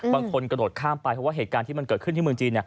กระโดดข้ามไปเพราะว่าเหตุการณ์ที่มันเกิดขึ้นที่เมืองจีน